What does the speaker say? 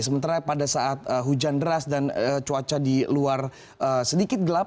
sementara pada saat hujan deras dan cuaca di luar sedikit gelap